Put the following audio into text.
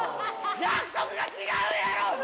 約束が違うやろお前！